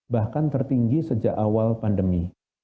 bahkan tertinggi sejak awal pandemi